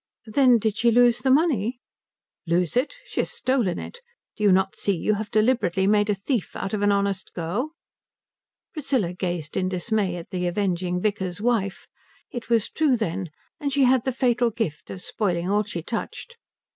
"Then she did lose the money?" "Lose it? She has stolen it. Do you not see you have deliberately made a thief out of an honest girl?" Priscilla gazed in dismay at the avenging vicar's wife. It was true then, and she had the fatal gift of spoiling all she touched.